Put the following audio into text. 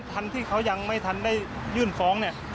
ทันที่เขายังไม่ทันได้ยื่นฟ้องเนี่ย